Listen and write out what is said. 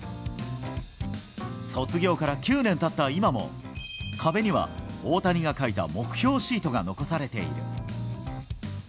卒業から９年経った今も壁には大谷が書いた目標シートが残されている。